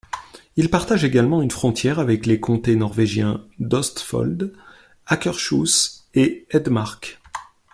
Il partage également une frontière avec les comtés norvégiens d’Østfold, Akershus et Hedmark.